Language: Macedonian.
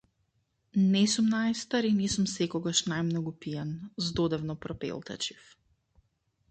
Не сум најстар и не сум секогаш најмногу пијан, здодевно пропелтечив.